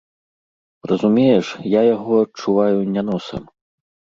Разумееш, я яго адчуваю не носам.